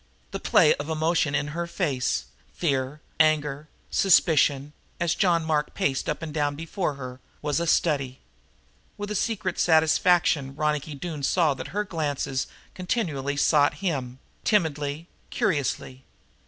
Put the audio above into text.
The play of emotion in her face fear, anger, suspicion as John Mark paced up and down before her, was a study. With a secret satisfaction Ronicky Doone saw that her glances continually sought him, timidly, curiously.